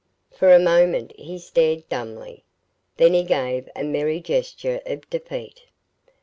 For a moment he stared dumbly; then he gave a merry gesture of defeat.